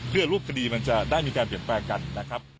เพื่อรูปคดีมันจะได้มีการเปลี่ยนแปลงกันนะครับ